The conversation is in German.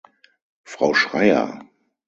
Frau Schreyer!